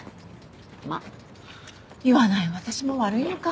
まっ言わない私も悪いのか。